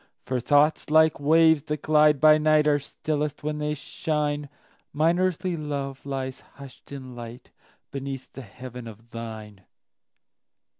For thoughts, like waves that glide by night, Are stillest when they shine; Mine earthly love lies hush'd in lightBeneath the heaven of thine.